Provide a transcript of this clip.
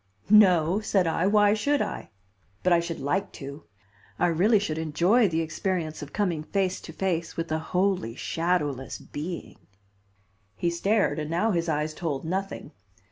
"No," said I, "why should I? But I should like to. I really should enjoy the experience of coming face to face with a wholly shadowless being." He stared and now his eyes told nothing.